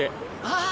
ああ！